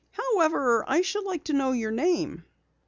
"However, I should like to know your name."